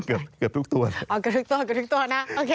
อ๋อเกือบทุกตัวนะ